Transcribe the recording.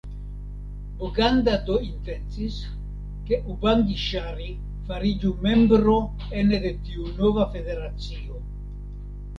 Boganda do intencis, ke Ubangi-Ŝari fariĝu membro ene de tiu nova federacio.